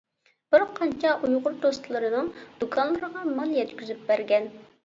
بىرقانچە ئۇيغۇر دوستلىرىنىڭ دۇكانلىرىغا مال يەتكۈزۈپ بەرگەن.